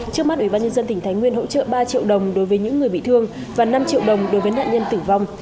trước mắt ủy ban nhân dân tỉnh thái nguyên hỗ trợ ba triệu đồng đối với những người bị thương và năm triệu đồng đối với nạn nhân tử vong